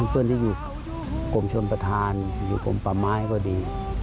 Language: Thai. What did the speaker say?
เพื่อนที่อยู่กรมชนประธานอยู่กรมป่าไม้ก็ดี